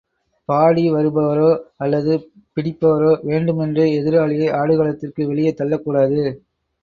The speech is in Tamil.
பாடி வருபவரோ அல்லது பிடிப்பவரோ வேண்டுமென்றே எதிராளியை ஆடுகளத்திற்கு வெளியே தள்ளக்கூடாது.